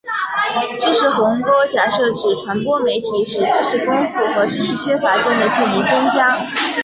知识鸿沟假设指传播媒体使知识丰富和知识缺乏间的距离增加。